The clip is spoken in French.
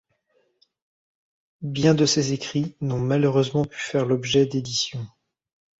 Bien de ses écrits n'ont malheureusement pu faire l'objet d'édition.